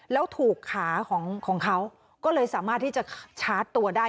แล้วถูกขาของเขาก็เลยสามารถที่จะชาร์จตัวได้